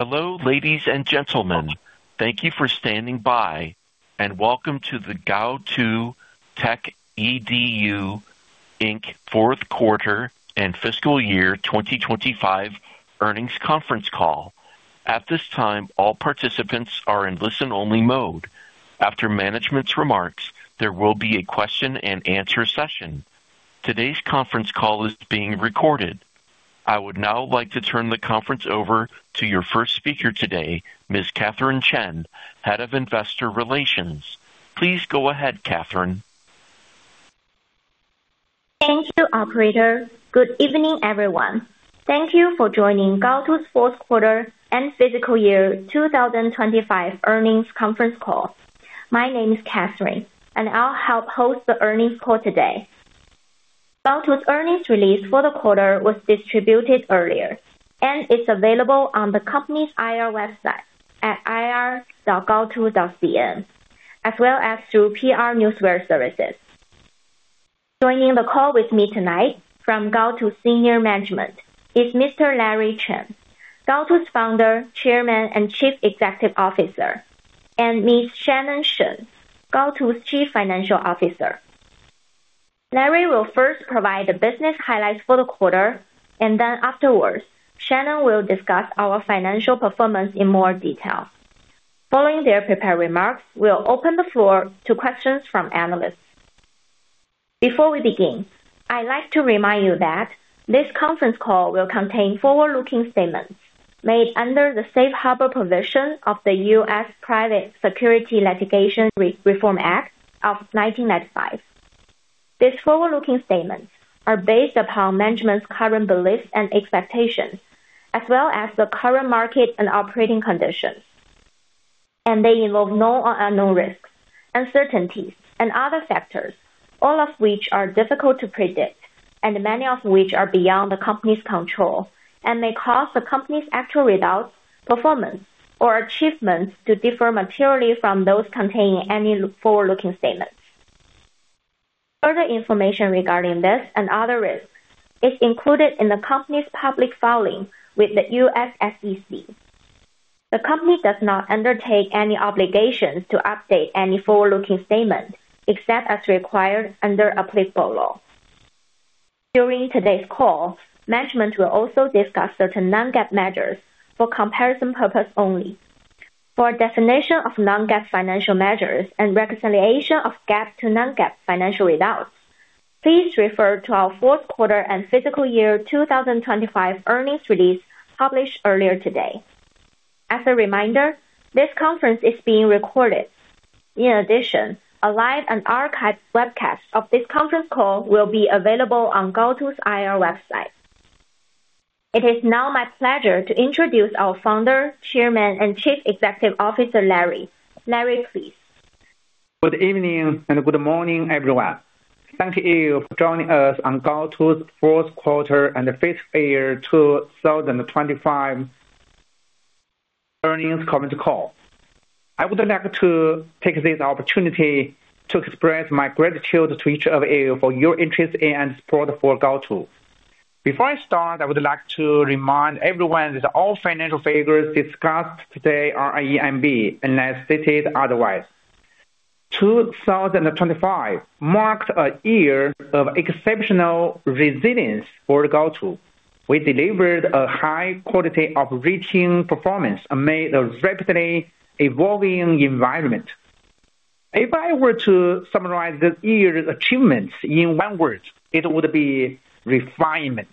Hello, ladies and gentlemen. Thank you for standing by. Welcome to the Gaotu Techedu Inc. fourth quarter and fiscal year 2025 earnings conference call. At this time, all participants are in listen only mode. After management's remarks, there will be a question and answer session. Today's conference call is being recorded. I would now like to turn the conference over to your first speaker today, Ms. Catherine Chen, Head of Investor Relations. Please go ahead, Catherine. Thank you, operator. Good evening, everyone. Thank you for joining Gaotu's fourth quarter and fiscal year 2025 earnings conference call. My name is Catherine, and I'll help host the earnings call today. Gaotu's earnings release for the quarter was distributed earlier, and it's available on the company's IR website at ir.gaotu.cn, as well as through PR Newswire services. Joining the call with me tonight from Gaotu's senior management is Mr. Larry Chen, Gaotu's Founder, Chairman, and Chief Executive Officer, and Ms. Shannon Shen, Gaotu's Chief Financial Officer. Larry will first provide the business highlights for the quarter, and then afterwards, Shannon will discuss our financial performance in more detail. Following their prepared remarks, we'll open the floor to questions from analysts. Before we begin, I'd like to remind you that this conference call will contain forward-looking statements made under the Safe Harbor provision of the U.S. Private Securities Litigation Reform Act of 1995. These forward-looking statements are based upon management's current beliefs and expectations, as well as the current market and operating conditions. They involve known and unknown risks, uncertainties and other factors, all of which are difficult to predict and many of which are beyond the company's control and may cause the company's actual results, performance or achievements to differ materially from those containing any forward-looking statements. Further information regarding this and other risks is included in the company's public filing with the U.S. SEC. The company does not undertake any obligations to update any forward-looking statement, except as required under applicable law. During today's call, management will also discuss certain non-GAAP measures for comparison purpose only. For a definition of non-GAAP financial measures and reconciliation of GAAP to non-GAAP financial results, please refer to our fourth quarter and fiscal year 2025 earnings release published earlier today. As a reminder, this conference is being recorded. In addition, a live and archived webcast of this conference call will be available on Gaotu's IR website. It is now my pleasure to introduce our Founder, Chairman, and Chief Executive Officer, Larry. Larry, please. Good evening and good morning, everyone. Thank Thank you for joining us on Gaotu's fourth quarter and fiscal year 2025 earnings conference call. I would like to take this opportunity to express my gratitude to each of you for your interest in and support for Gaotu. Before I start, I would like to remind everyone that all financial figures discussed today are in RMB, unless stated otherwise. 2025 marked a year of exceptional resilience for Gaotu. We delivered a high-quality operating performance amid a rapidly evolving environment. If I were to summarize this year's achievements in one word, it would be refinement.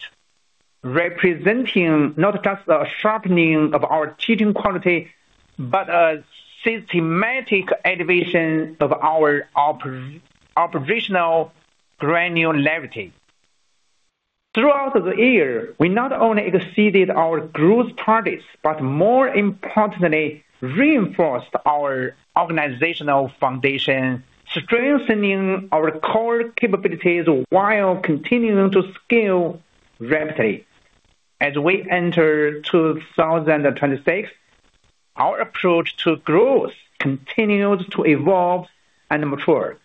Representing not just a sharpening of our teaching quality, but a systematic elevation of our operational granularity. Throughout the year, we not only exceeded our growth targets, but more importantly, reinforced our organizational foundation, strengthening our core capabilities while continuing to scale rapidly. As we enter 2026, our approach to growth continued to evolve and mature.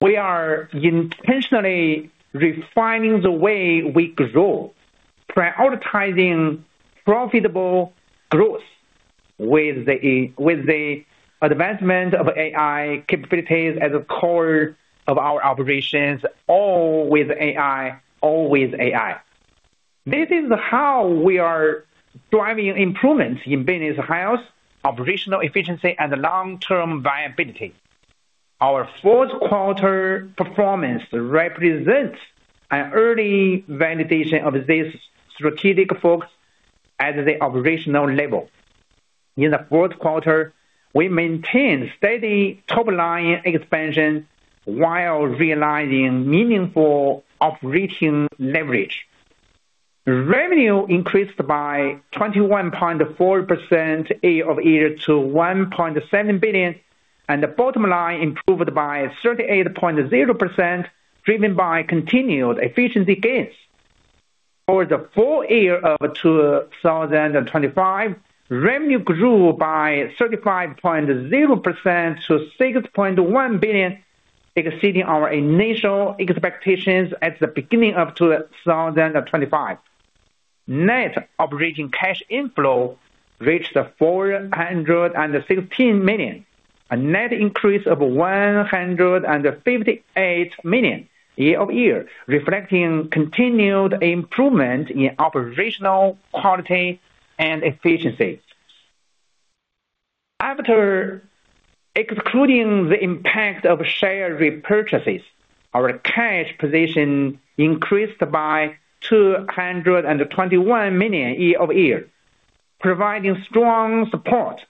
We are intentionally refining the way we grow, prioritizing profitable growth with the advancement of AI capabilities as a core of our operations. All with AI. All with AI. This is how we are driving improvements in business health, operational efficiency and long-term viability. Our fourth quarter performance represents an early validation of this strategic focus at the operational level. In the fourth quarter, we maintained steady top line expansion while realizing meaningful operating leverage. Revenue increased by 21.4% year-over-year to 1.7 billion, and the bottom line improved by 38.0%, driven by continued efficiency gains. For the full year of 2025, revenue grew by 35.0% to 6.1 billion. Exceeding our initial expectations at the beginning of 2025. Net operating cash inflow reached 416 million, a net increase of 158 million year-over-year, reflecting continued improvement in operational quality and efficiency. After excluding the impact of share repurchases, our cash position increased by 221 million year-over-year, providing strong support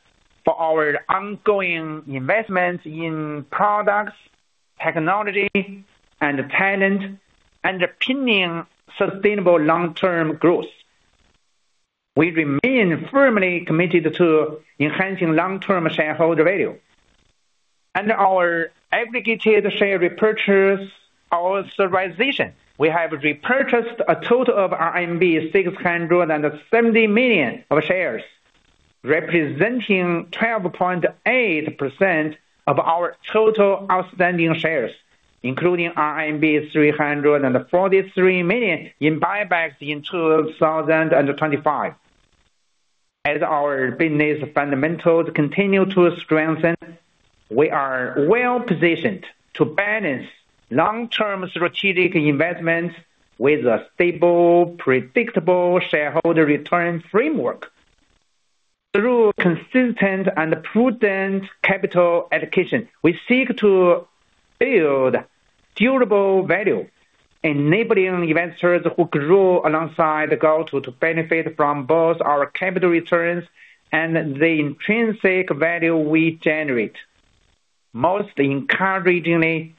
for our ongoing investments in products, technology, and talent, underpinning sustainable long-term growth. We remain firmly committed to enhancing long-term shareholder value. Under our aggregated share repurchase authorization, we have repurchased a total of RMB 670 million of shares, representing 12.8% of our total outstanding shares, including RMB 343 million in buybacks in 2025. As our business fundamentals continue to strengthen, we are well-positioned to balance long-term strategic investments with a stable, predictable shareholder return framework. Through consistent and prudent capital allocation, we seek to build durable value, enabling investors who grow alongside Gaotu to benefit from both our capital returns and the intrinsic value we generate. Most encouragingly,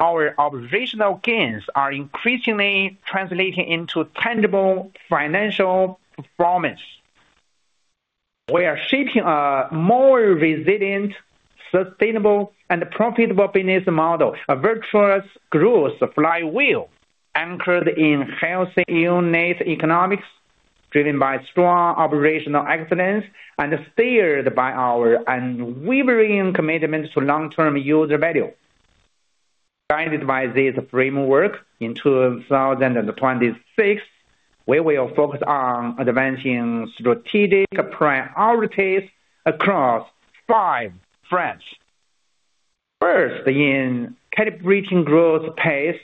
our operational gains are increasingly translating into tangible financial performance. We are shaping a more resilient, sustainable, and profitable business model, a virtuous growth flywheel anchored in healthy unit economics, driven by strong operational excellence, and steered by our unwavering commitment to long-term user value. Guided by this framework, in 2026, we will focus on advancing strategic priorities across five fronts. First, in calibrating growth pace,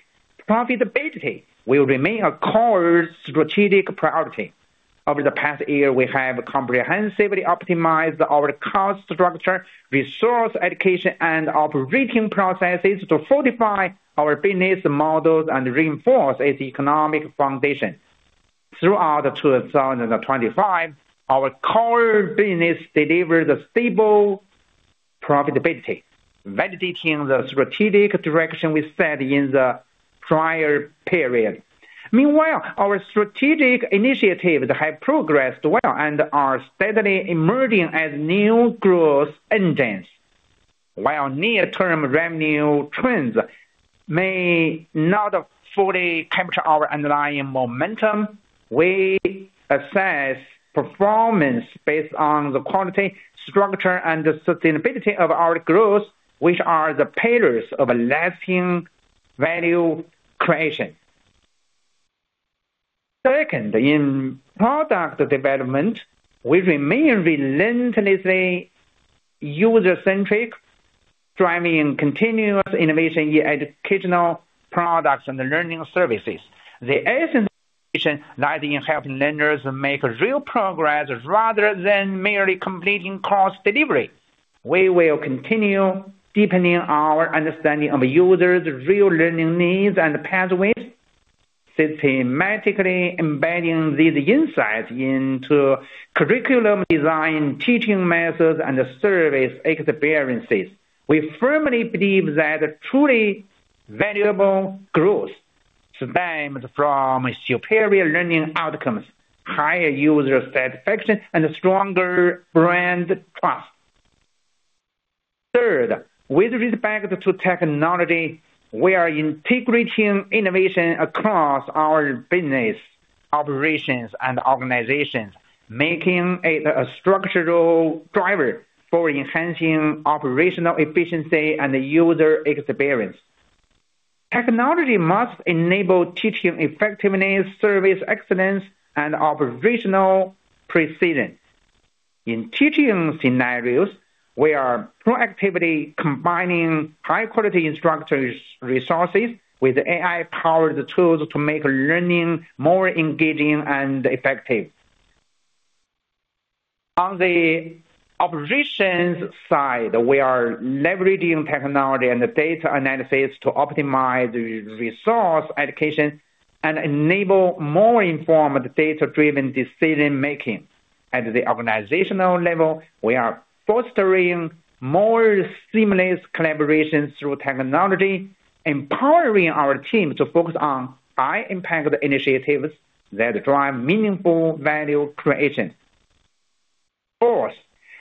profitability will remain a core strategic priority. Over the past year, we have comprehensively optimized our cost structure, resource allocation, and operating processes to fortify our business models and reinforce its economic foundation. Throughout 2025, our core business delivered a stable profitability, validating the strategic direction we set in the prior period. Meanwhile, our strategic initiatives have progressed well and are steadily emerging as new growth engines. While near-term revenue trends may not fully capture our underlying momentum, we assess performance based on the quality, structure, and sustainability of our growth, which are the pillars of lasting value creation. Second, in product development, we remain relentlessly user-centric, driving continuous innovation in educational products and learning services. The essence lies in helping learners make real progress rather than merely completing course delivery. We will continue deepening our understanding of users' real learning needs and pathways, systematically embedding these insights into curriculum design, teaching methods, and service experiences. We firmly believe that truly valuable growth stems from superior learning outcomes, higher user satisfaction, and stronger brand trust. Third, with respect to technology, we are integrating innovation across our business operations and organizations, making it a structural driver for enhancing operational efficiency and user experience. Technology must enable teaching effectiveness, service excellence, and operational precision. In teaching scenarios, we are proactively combining high-quality instructor resources with AI-powered tools to make learning more engaging and effective. On the operations side, we are leveraging technology and data analysis to optimize resource allocation and enable more informed data-driven decision-making. At the organizational level, we are fostering more seamless collaboration through technology, empowering our team to focus on high-impact initiatives that drive meaningful value creation. Fourth,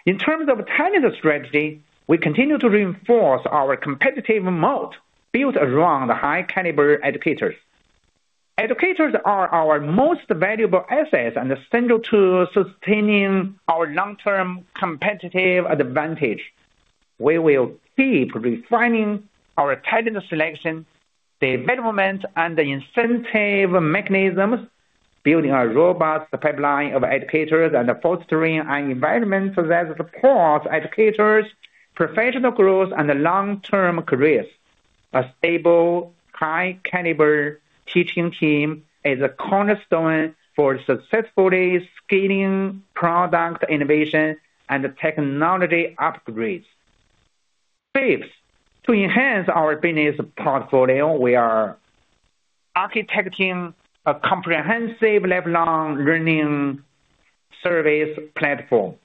in terms of talent strategy, we continue to reinforce our competitive moat built around high-caliber educators. Educators are our most valuable assets and essential to sustaining our long-term competitive advantage. We will keep refining our talent selection, development, and incentive mechanisms, building a robust pipeline of educators and fostering an environment that supports educators' professional growth and long-term careers. A stable, high-caliber teaching team is a cornerstone for successfully scaling product innovation and technology upgrades. Fifth, to enhance our business portfolio, we are architecting a comprehensive lifelong learning service platform.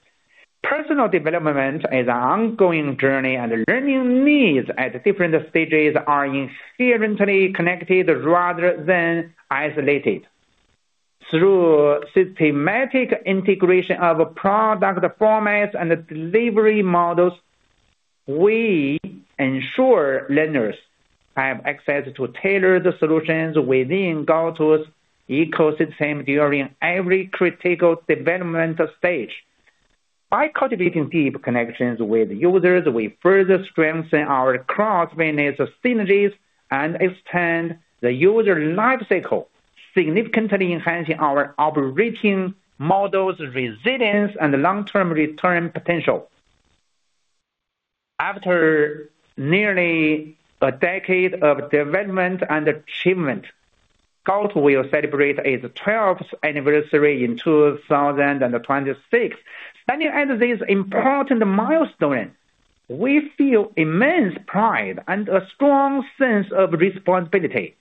Personal development is an ongoing journey, and learning needs at different stages are inherently connected rather than isolated. Through systematic integration of product formats and delivery models, we ensure learners have access to tailored solutions within Gaotu's ecosystem during every critical developmental stage. By cultivating deep connections with users, we further strengthen our cross-business synergies and extend the user lifecycle, significantly enhancing our operating model's resilience and long-term return potential. After nearly a decade of development and achievement, Gaotu will celebrate its 12th Anniversary in 2026. Standing at this important milestone, we feel immense pride and a strong sense of responsibility.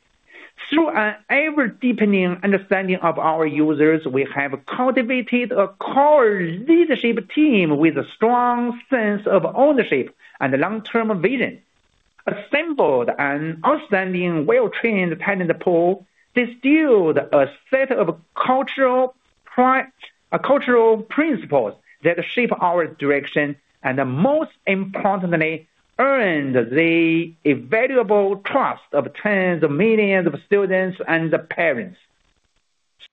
Through an ever-deepening understanding of our users, we have cultivated a core leadership team with a strong sense of ownership and long-term vision, assembled an outstanding, well-trained talent pool, distilled a set of cultural principles that shape our direction, and most importantly, earned the invaluable trust of tens of millions of students and parents.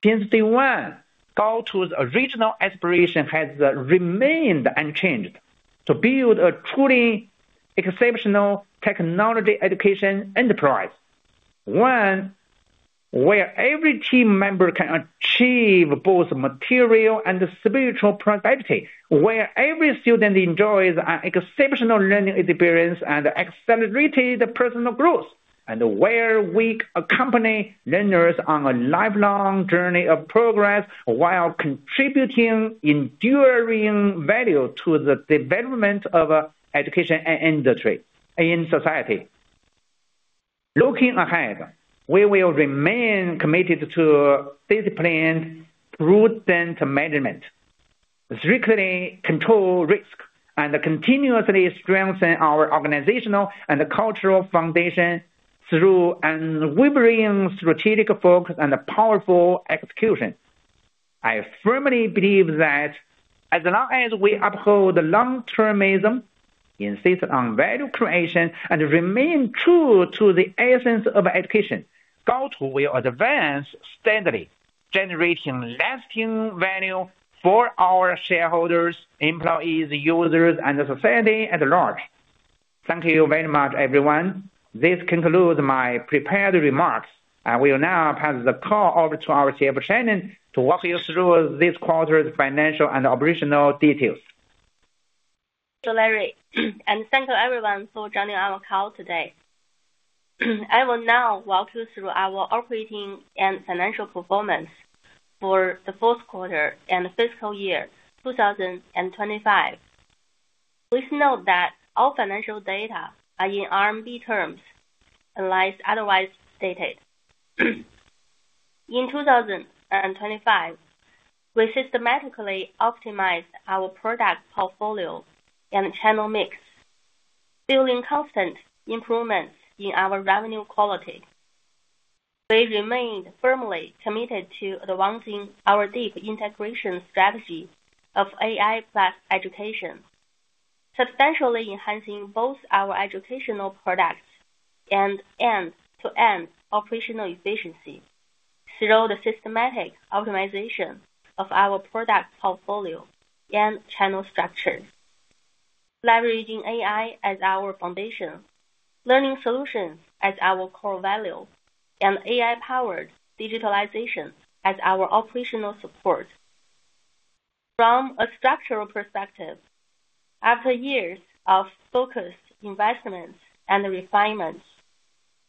Since day one, Gaotu's original aspiration has remained unchanged: to build a truly exceptional technology education enterprise. One where every team member can achieve both material and spiritual prosperity, where every student enjoys an exceptional learning experience and accelerated personal growth, and where we accompany learners on a lifelong journey of progress while contributing enduring value to the development of education industry in society. Looking ahead, we will remain committed to disciplined, prudent management, strictly control risk, and continuously strengthen our organizational and cultural foundation through unwavering strategic focus and powerful execution. I firmly believe that as long as we uphold long-termism, insist on value creation, and remain true to the essence of education, Gaotu will advance steadily, generating lasting value for our shareholders, employees, users, and society at large. Thank you very much, everyone. This concludes my prepared remarks. I will now pass the call over to our CFO, Shannon, to walk you through this quarter's financial and operational details. Larry, thank you everyone for joining our call today. I will now walk you through our operating and financial performance for the fourth quarter and fiscal year 2025. Please note that all financial data are in RMB terms, unless otherwise stated. In 2025, we systematically optimized our product portfolio and channel mix, building constant improvements in our revenue quality. We remained firmly committed to advancing our deep integration strategy of AI+Education, substantially enhancing both our educational products and end-to-end operational efficiency through the systematic optimization of our product portfolio and channel structure. Leveraging AI as our foundation, learning solutions as our core value, and AI-powered digitalization as our operational support. From a structural perspective, after years of focused investments and refinements,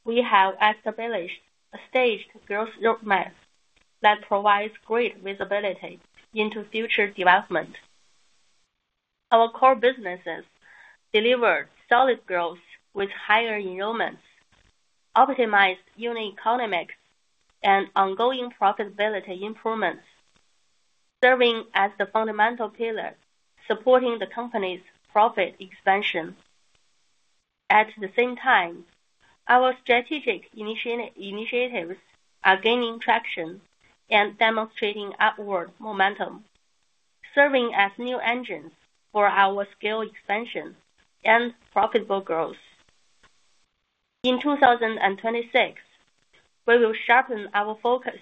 we have established a staged growth roadmap that provides great visibility into future development. Our core businesses delivered solid growth with higher enrollments, optimized unit economics, and ongoing profitability improvements, serving as the fundamental pillar supporting the company's profit expansion. At the same time, our strategic initiatives are gaining traction and demonstrating upward momentum, serving as new engines for our scale expansion and profitable growth. In 2026, we will sharpen our focus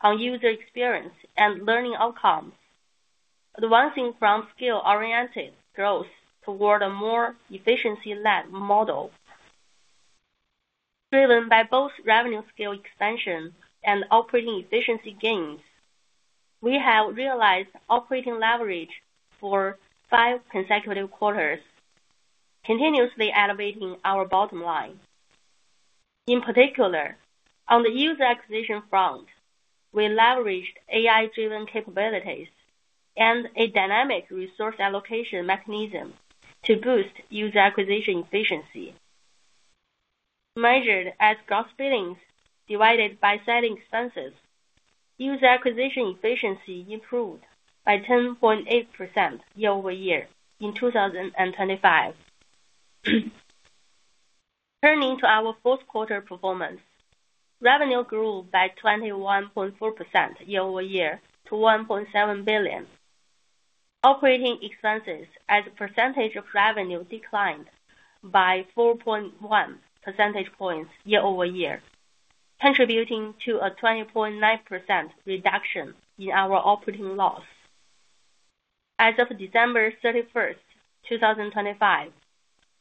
on user experience and learning outcomes, advancing from skill-oriented growth toward a more efficiency-led model. Driven by both revenue scale expansion and operating efficiency gains, we have realized operating leverage for five consecutive quarters, continuously elevating our bottom line. In particular, on the user acquisition front, we leveraged AI-driven capabilities and a dynamic resource allocation mechanism to boost user acquisition efficiency. Measured as gross billings divided by selling expenses, user acquisition efficiency improved by 10.8% year-over-year in 2025. Turning to our fourth quarter performance. Revenue grew by 21.4% year-over-year to 1.7 billion. Operating expenses as a percentage of revenue declined by 4.1 percentage points year-over-year, contributing to a 20.9% reduction in our operating loss. As of December 31st 2025,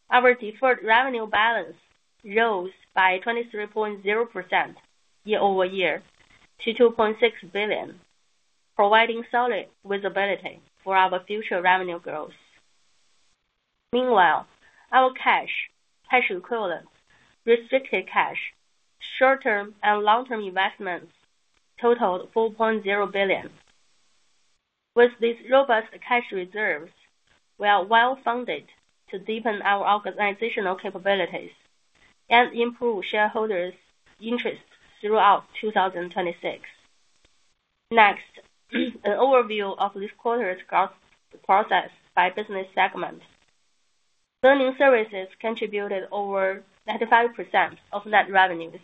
our deferred revenue balance rose by 23.0% year-over-year to 2.6 billion, providing solid visibility for our future revenue growth. Meanwhile, our cash equivalents, restricted cash, short-term and long-term investments totaled 4.0 billion. With these robust cash reserves, we are well-funded to deepen our organizational capabilities and improve shareholders' interest throughout 2026. An overview of this quarter's growth process by business segment. Learning services contributed over 95% of net revenues.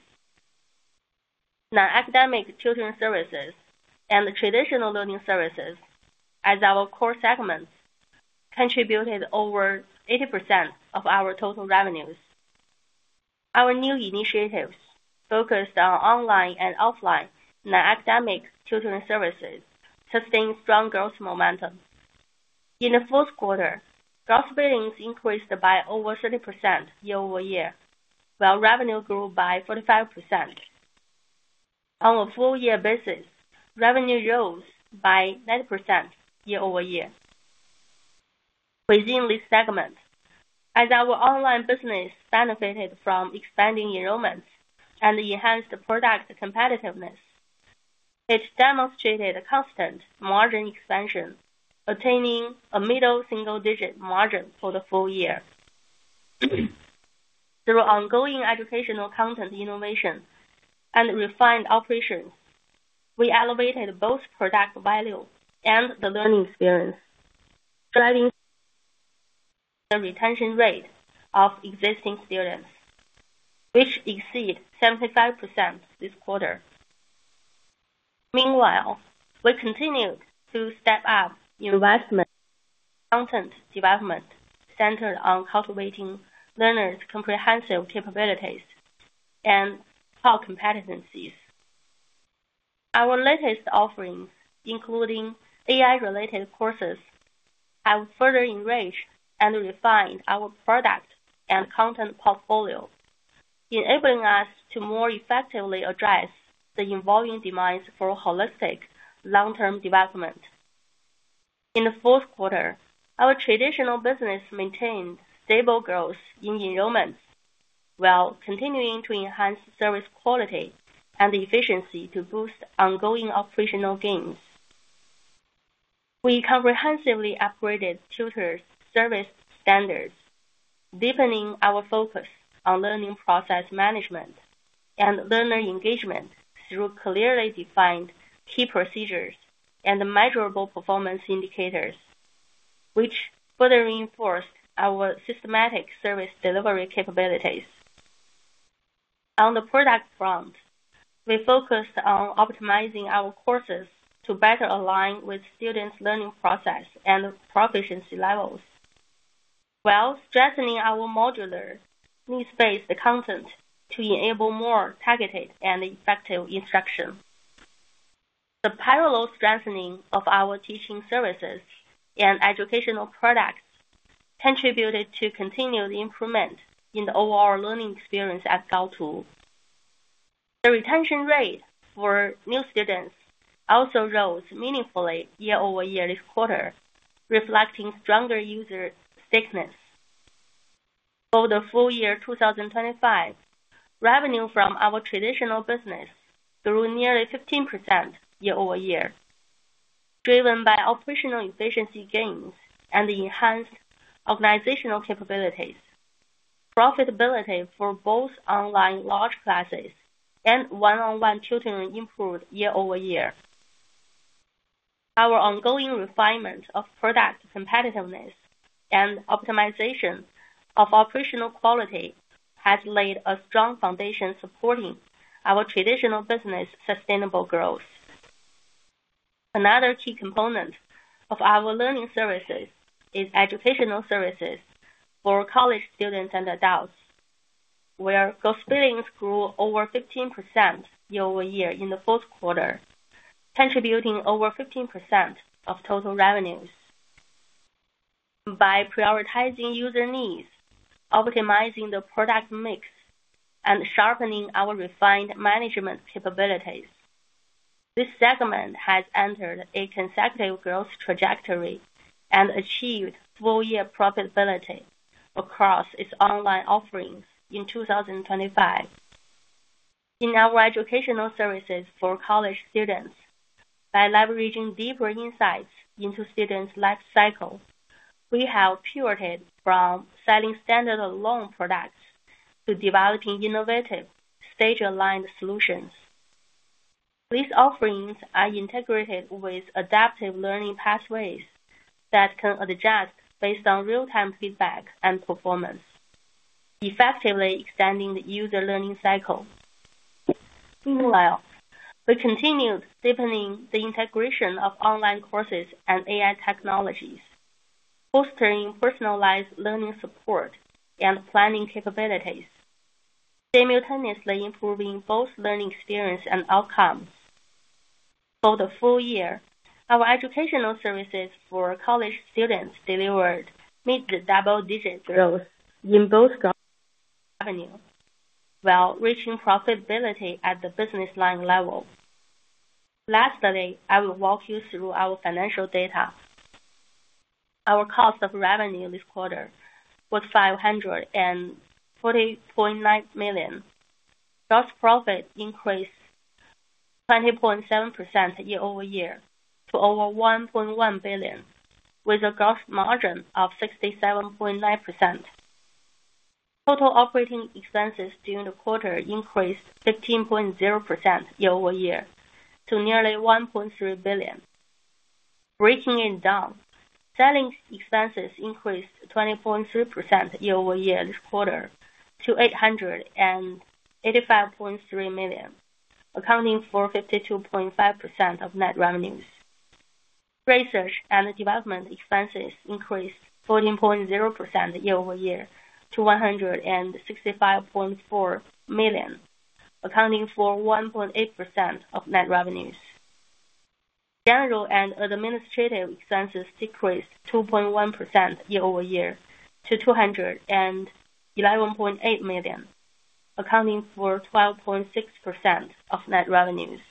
The academic tutoring services and the traditional learning services as our core segments contributed over 80% of our total revenues. Our new initiatives focused on online and offline in the academic tutoring services sustained strong growth momentum. In the fourth quarter, gross billings increased by over 30% year-over-year, while revenue grew by 45%. On a full year basis, revenue rose by 9% year-over-year. Within this segment, as our online business benefited from expanding enrollments and enhanced product competitiveness, it demonstrated a constant margin expansion, attaining a middle single-digit margin for the full year. Through ongoing educational content innovation and refined operations, we elevated both product value and the learning experience, driving the retention rate of existing students, which exceed 75% this quarter. We continued to step up investment content development centered on cultivating learners' comprehensive capabilities and core competencies. Our latest offerings, including AI-related courses, have further enriched and refined our product and content portfolio, enabling us to more effectively address the evolving demands for holistic long-term development. In the fourth quarter, our traditional business maintained stable growth in enrollments while continuing to enhance service quality and efficiency to boost ongoing operational gains. We comprehensively upgraded tutor service standards, deepening our focus on learning process management and learner engagement through clearly defined key procedures and measurable performance indicators, which further reinforced our systematic service delivery capabilities. On the product front, we focused on optimizing our courses to better align with students' learning process and proficiency levels, while strengthening our modular use-based content to enable more targeted and effective instruction. The parallel strengthening of our teaching services and educational products contributed to continued improvement in the overall learning experience at Gaotu. The retention rate for new students also rose meaningfully year-over-year this quarter, reflecting stronger user stickiness. For the full year 2025, revenue from our traditional business grew nearly 15% year-over-year, driven by operational efficiency gains and enhanced organizational capabilities. Profitability for both online large classes and one-on-one tutoring improved year-over-year. Our ongoing refinement of product competitiveness, and optimization of operational quality has laid a strong foundation supporting our traditional business sustainable growth. Another key component of our learning services is educational services for college students and adults, where gross billings grew over 15% year-over-year in the fourth quarter, contributing over 15% of total revenues. By prioritizing user needs, optimizing the product mix, and sharpening our refined management capabilities, this segment has entered a consecutive growth trajectory and achieved full-year profitability across its online offerings in 2025. In our educational services for college students, by leveraging deeper insights into students' life cycle, we have pivoted from selling standalone products to developing innovative stage-aligned solutions. These offerings are integrated with adaptive learning pathways that can adjust based on real-time feedback and performance, effectively extending the user learning cycle. Meanwhile, we continued deepening the integration of online courses and AI technologies, fostering personalized learning support and planning capabilities, simultaneously improving both learning experience and outcomes. For the full year, our educational services for college students delivered mid-to-double-digit growth in both revenue while reaching profitability at the business line level. Lastly, I will walk you through our financial data. Our cost of revenue this quarter was 540.9 million. Gross profit increased 20.7% year-over-year to over 1.1 billion, with a gross margin of 67.9%. Total operating expenses during the quarter increased 15.0% year-over-year to nearly 1.3 billion. Breaking it down, selling expenses increased 20.3% year-over-year this quarter to 885.3 million, accounting for 52.5% of net revenues. Research and development expenses increased 14.0% year-over-year to 165.4 million, accounting for 1.8% of net revenues. General and administrative expenses decreased 2.1% year-over-year to 211.8 million, accounting for 12.6% of net revenues.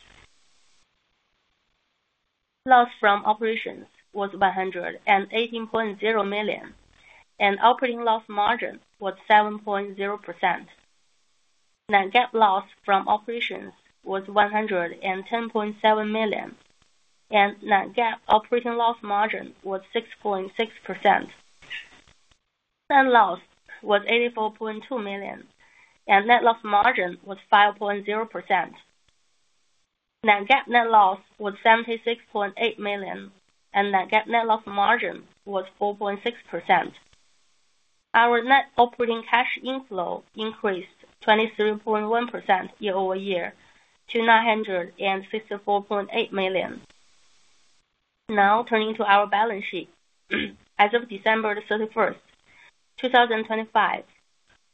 Loss from operations was 118.0 million, and operating loss margin was 7.0%. Net GAAP loss from operations was 110.7 million, and non- GAAP operating loss margin was 6.6%. Net loss was 84.2 million, and net loss margin was 5.0%. Non-GAAP net loss was 76.8 million, and non-GAAP net loss margin was 4.6%. Our net operating cash inflow increased 23.1% year-over-year to 964.8 million. Now, turning to our balance sheet. As of December 31st 2025,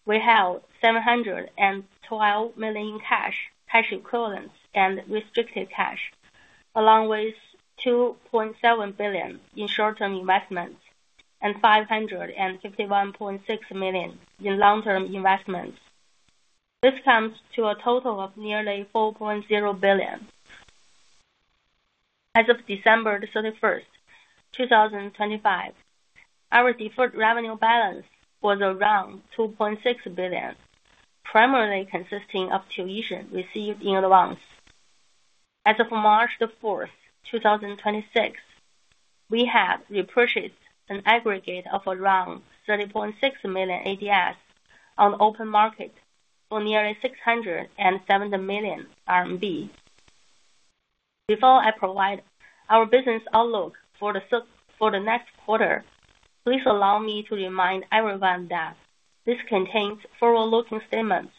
we have 712 million in cash equivalents, and restricted cash, along with 2.7 billion in short-term investments and 551.6 million in long-term investments. This comes to a total of nearly 4.0 billion. As of December 31st 2025, our deferred revenue balance was around 2.6 billion, primarily consisting of tuition received in advance. As of March 4th 2026, we have repurchased an aggregate of around 30.6 million ADS on open market for nearly 670 million RMB. Before I provide our business outlook for the next quarter, please allow me to remind everyone that this contains forward-looking statements,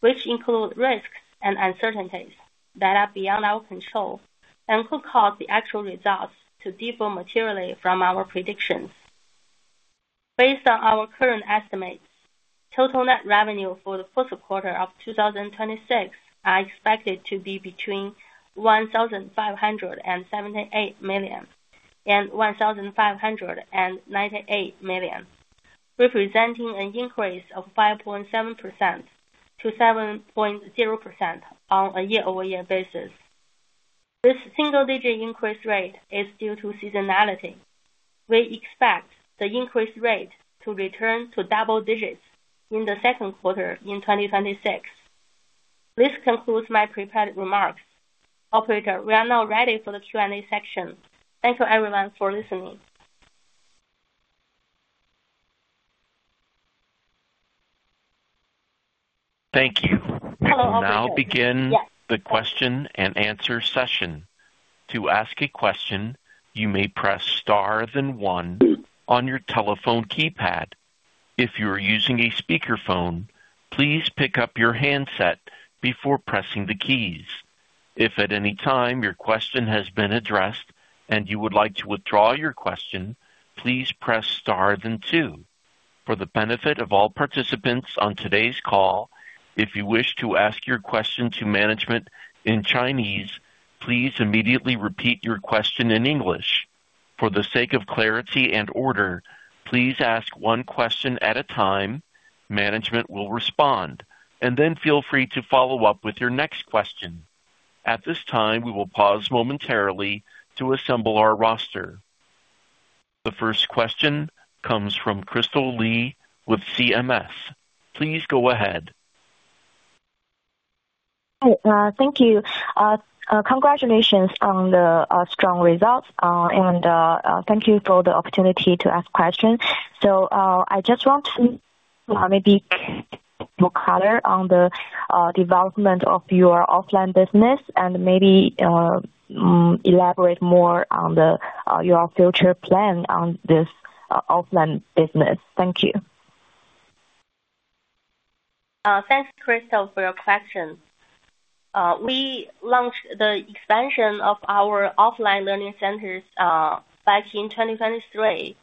which include risks and uncertainties that are beyond our control and could cause the actual results to differ materially from our predictions. Based on our current estimates, total net revenue for the first quarter of 2026 are expected to be between 1,578 million and 1,598 million, representing an increase of 5.7%-7.0% on a year-over-year basis. This single digit increase rate is due to seasonality. We expect the increase rate to return to double digits in the second quarter in 2026. This concludes my prepared remarks. Operator, we are now ready for the Q&A section. Thank you everyone for listening. Thank you. We will now begin the question and answer session. To ask a question, you may press star then one on your telephone keypad. If you are using a speakerphone, please pick up your handset before pressing the keys. If at any time your question has been addressed and you would like to withdraw your question, please press star then two. For the benefit of all participants on today's call, if you wish to ask your question to management in Chinese, please immediately repeat your question in English. For the sake of clarity and order, please ask one question at a time. Management will respond, and then feel free to follow up with your next question. At this time, we will pause momentarily to assemble our roster. The first question comes from Crystal Lee with CMS. Please go ahead. Hi. Thank you. Congratulations on the strong results. Thank you for the opportunity to ask questions. I just want to maybe more color on the development of your offline business and maybe elaborate more on the your future plan on this offline business. Thank you. Thanks, Crystal, for your question. We launched the expansion of our offline learning centers back in 2023.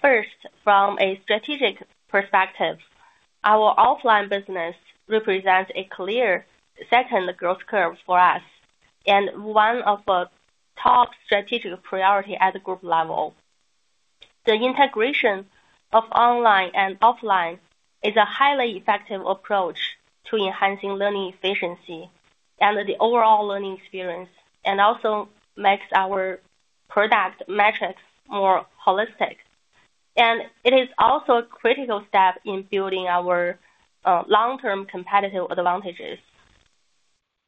First, from a strategic perspective, our offline business represents a clear second growth curve for us and one of the top strategic priority at the group level. The integration of online and offline is a highly effective approach to enhancing learning efficiency and the overall learning experience, also makes our product metrics more holistic. It is also a critical step in building our long-term competitive advantages.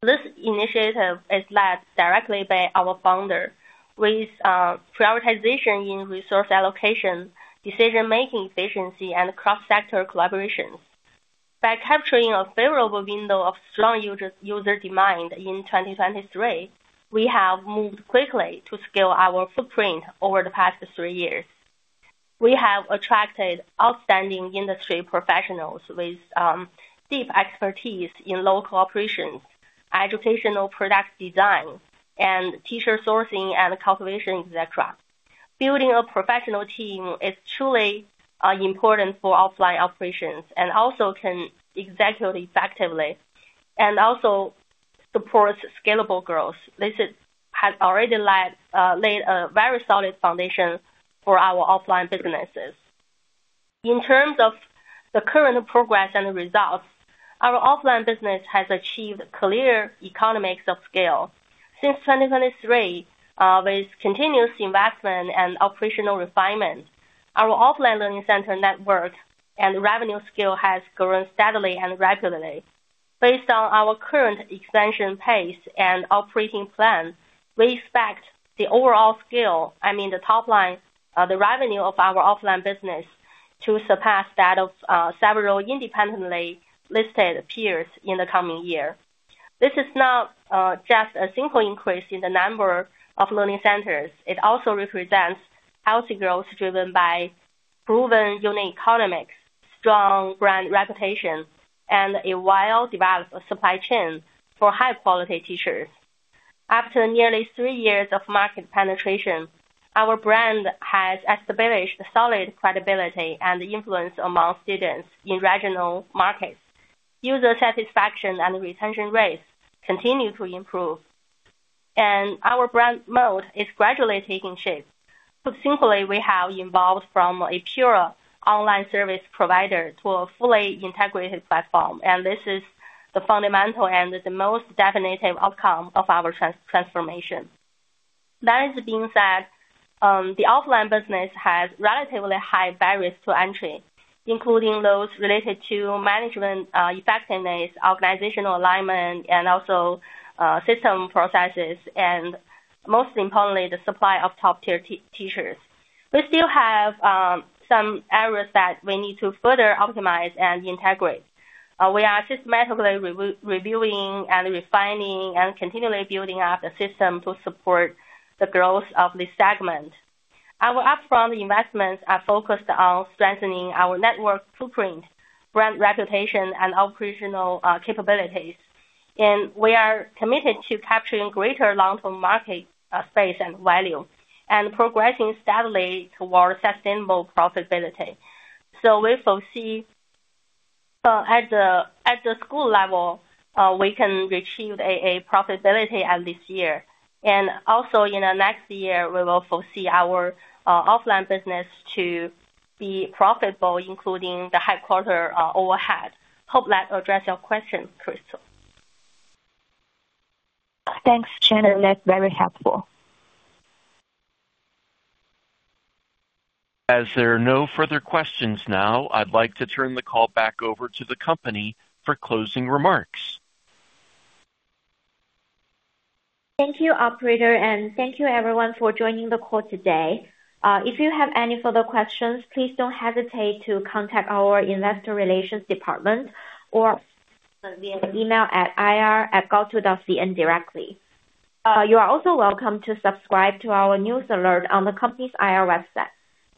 This initiative is led directly by our founder with prioritization in resource allocation, decision-making efficiency, and cross-sector collaborations. By capturing a favorable window of strong user demand in 2023, we have moved quickly to scale our footprint over the past three years. We have attracted outstanding industry professionals with deep expertise in local operations, educational product design, and teacher sourcing and cultivation, et cetera. Building a professional team is truly important for offline operations and also can execute effectively and also supports scalable growth. This has already laid a very solid foundation for our offline businesses. In terms of the current progress and results, our offline business has achieved clear economics of scale. Since 2023, with continuous investment and operational refinement, our offline learning center network and revenue scale has grown steadily and rapidly. Based on our current expansion pace and operating plan, we expect the overall scale, I mean, the top line, the revenue of our offline business to surpass that of several independently listed peers in the coming year. This is not just a simple increase in the number of learning centers. It also represents healthy growth driven by proven unit economics, strong brand reputation, and a well-developed supply chain for high-quality teachers. After nearly three years of market penetration, our brand has established solid credibility and influence among students in regional markets. User satisfaction and retention rates continue to improve, and our brand mode is gradually taking shape. Put simply we have evolved from a pure online service provider to a fully integrated platform, and this is the fundamental and the most definitive outcome of our transformation. That being said, the offline business has relatively high barriers to entry, including those related to management effectiveness, organizational alignment, and also system processes, and most importantly, the supply of top-tier teachers. We still have some areas that we need to further optimize and integrate. We are systematically reviewing and refining and continually building up the system to support the growth of this segment. Our upfront investments are focused on strengthening our network footprint, brand reputation and operational capabilities. We are committed to capturing greater long-term market space and value and progressing steadily towards sustainable profitability. We foresee at the school level, we can achieve a profitability at this year. Also in the next year, we will foresee our offline business to be profitable, including the headquarter overhead. Hope that addressed your question, Crystal. Thanks, Shannon. That's very helpful. As there are no further questions now, I'd like to turn the call back over to the company for closing remarks. Thank you, operator, and thank you everyone for joining the call today. If you have any further questions, please don't hesitate to contact our Investor Relations department or via email at ir@gaotu.cn directly. You are also welcome to subscribe to our news alert on the company's IR website.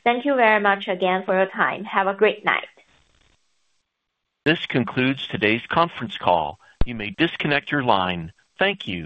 Thank you very much again for your time. Have a great night. This concludes today's conference call. You may disconnect your line. Thank you.